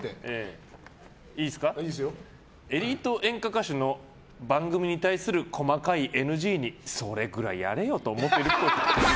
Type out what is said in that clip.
エリート演歌歌手の番組に対する細かいＮＧにそれぐらいやれよと思ってるっぽい。